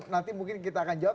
nanti mungkin kita akan jawab